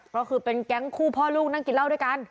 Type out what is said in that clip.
ก็คือเป็นแก๊งคู่พ่อลูกนั่งกินเหล้าด้วยกัน